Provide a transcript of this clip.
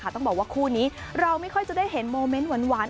ต้องบอกว่าคู่นี้เราไม่ค่อยจะได้เห็นโมเมนต์หวาน